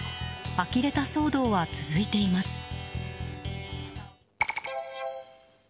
あきれた騒動は続いています。